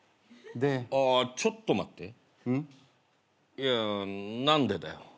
いや何でだよ。